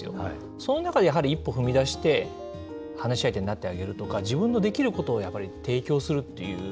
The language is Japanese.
その中でやはり一歩踏み出して、話し相手になってあげるとか、自分のできることをやっぱり提供するっていう。